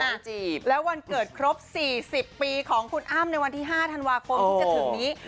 ในวันที่๕ธันวาคมที่จะถึงนี้